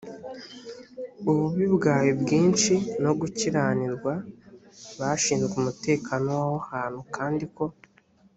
ububi bwawe bwinshi no gukiranirwa bashinzwe umutekano w aho hantu kandi ko